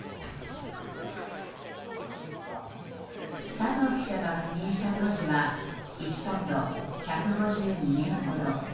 佐藤記者が赴任した当時は１ポンド＝１５２円ほど。